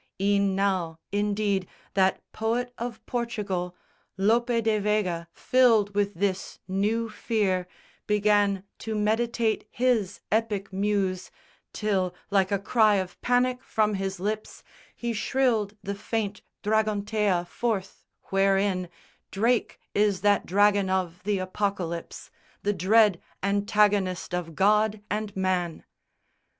E'en now, indeed, that poet of Portugal, Lope de Vega, filled with this new fear Began to meditate his epic muse Till, like a cry of panic from his lips, He shrilled the faint Dragontea forth, wherein Drake is that Dragon of the Apocalypse, The dread Antagonist of God and Man.